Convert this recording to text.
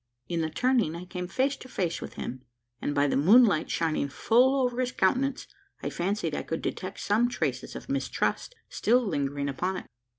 In the turning, I came face to face with him; and by the moonlight shining full over his countenance, I fancied I could detect some traces of mistrust still lingering upon it.